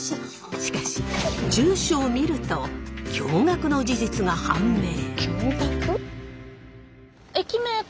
しかし住所を見ると驚がくの事実が判明。